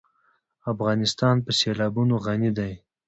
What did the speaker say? افغانستان په سیلابونه غني دی.